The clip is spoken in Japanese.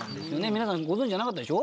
皆さんご存じなかったでしょ？